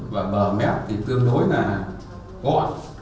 và bờ mẹo thì tương đối là gọn